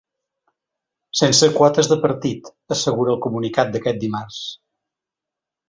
Sense quotes de partit, assegura el comunicat d’aquest dimarts.